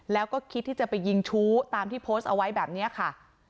แล้วก็คิดที่จะไปยิงชู้ตามที่โพสต์เอาไว้แบบนี้ค่ะ